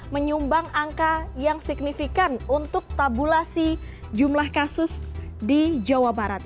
menyumbang angka yang signifikan untuk tabulasi jumlah kasus di jawa barat